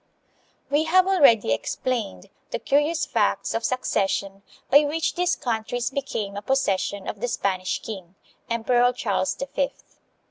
We have already explained the curious facts of succes sion by which these countries became a possession of the Spanish king, Emperor Charles the Fifth.